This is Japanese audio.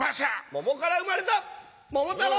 桃から生まれた桃太郎！